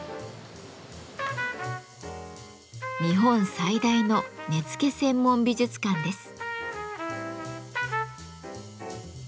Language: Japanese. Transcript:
日本最大の根付専門美術館です。